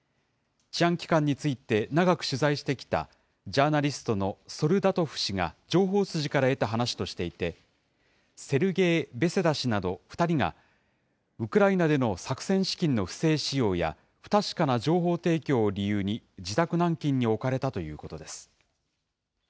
治安機関について長く取材してきたジャーナリストのソルダトフ氏が情報筋から得た話としていて、セルゲイ・ベセダ氏など２人が、ウクライナでの作戦資金の不正使用や不確かな情報提供を理由に、自宅軟禁に置かれたということです。